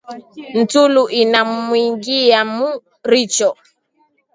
Ntulu inamwingiya mu richo